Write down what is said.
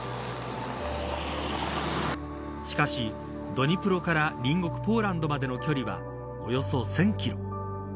しかし、ドニプロから隣国ポーランドまでの距離はおよそ１０００キロ。